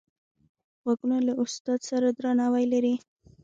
غوږونه له استاد سره درناوی لري